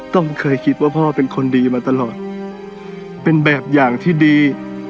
ต้องเคยคิดว่าพ่อเป็นคนดีมาตลอดเป็นแบบอย่างที่ดี